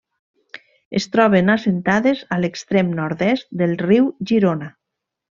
Es troben assentades a l'extrem Nord-est del riu Girona.